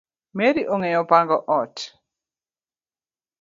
Mary ongeyo pango ot